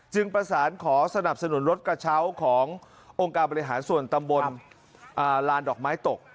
ประสานขอสนับสนุนรถกระเช้าขององค์การบริหารส่วนตำบลลานดอกไม้ตก